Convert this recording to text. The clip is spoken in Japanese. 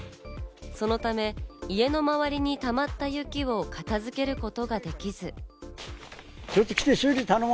そのため、家の周りにたまった雪を片付けることができず。